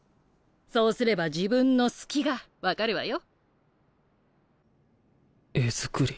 そうすれば自分の「好き」が分かるわよ。